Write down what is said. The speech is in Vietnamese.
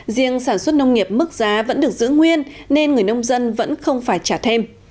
riêng sản xuất nông nghiệp mức giá vẫn được giữ nguyên nên người nông dân vẫn không phải trả thêm